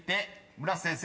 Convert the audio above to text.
村瀬先生］